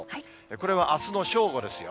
これはあすの正午ですよ。